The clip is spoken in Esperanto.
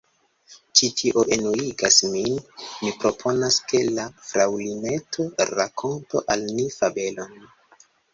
Ĉi tio enuigas min! Mi proponas ke la Fraŭlineto rakontu al ni fabelon.